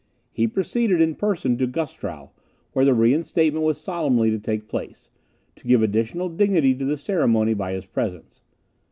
He proceeded in person to Gustrow, where the reinstatement was solemnly to take place, to give additional dignity to the ceremony by his presence.